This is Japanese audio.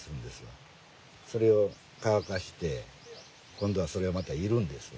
それを乾かして今度はそれをまた煎るんですわ。